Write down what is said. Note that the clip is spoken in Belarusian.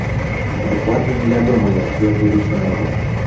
Дакладна невядома, якія будуць умовы.